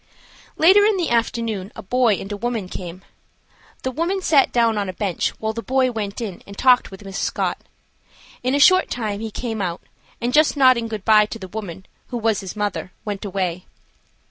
Later in the afternoon a boy and a woman came. The woman sat down on a bench, while the boy went in and talked with Miss Scott. In a short time he came out, and, just nodding good bye to the woman, who was his mother, went away.